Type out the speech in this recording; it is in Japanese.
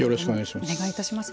お願いいたします。